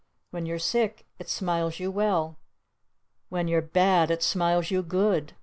When you're sick it smiles you well! When you're bad it smiles you good!